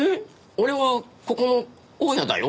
俺はここの大家だよ。